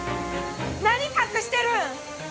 何隠してるん！？